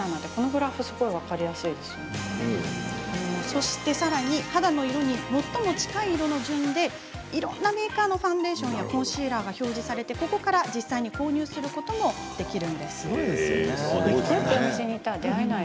そして、その肌の色に最も近い色の順でいろんなメーカーのファンデーションやコンシーラーが表示されてここから実際に購入することもできるんです。